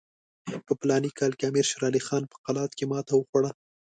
په فلاني کال کې امیر شېر علي خان په قلات کې ماته وخوړه.